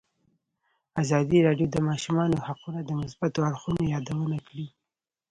ازادي راډیو د د ماشومانو حقونه د مثبتو اړخونو یادونه کړې.